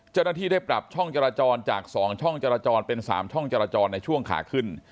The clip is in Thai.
เจ้าหน้าที่ได้ปรับช่องจราจรจาก๒ช่องจราจรเป็น๓ช่องจราจรในช่วงขาขึ้น